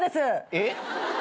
えっ？